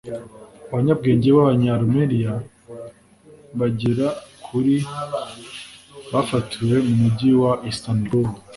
Abanyabwenge b’abanya-Armenia bagera kuri bafatiwe mu mujyi wa Istanbul